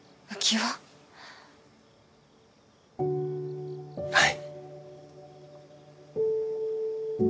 はい。